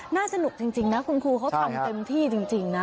สนุกจริงนะคุณครูเขาทำเต็มที่จริงนะ